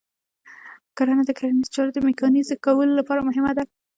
کرنه د کرنیزو چارو د میکانیزه کولو لپاره مهمه ده.